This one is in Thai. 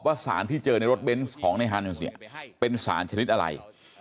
สารที่เจอในรถเบนส์ของในฮานิวส์เนี่ยเป็นสารชนิดอะไร